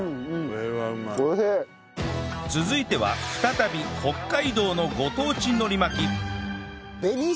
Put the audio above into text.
続いては再び北海道のご当地海苔巻き紅生姜入り！